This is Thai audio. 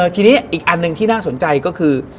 ทีนี้อีกอันหนึ่งที่น่าสนใจก็คือ